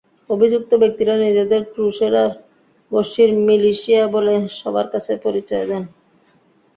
অভিযুক্ত ব্যক্তিরা নিজেদের ক্রুসেডার গোষ্ঠীর মিলিশিয়া বলে সবার কাছে পরিচয় দেন।